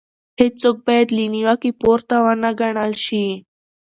هيڅوک بايد له نيوکې پورته ونه ګڼل شي.